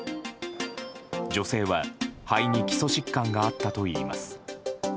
女性は、肺に基礎疾患があったといいます。